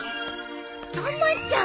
たまちゃん。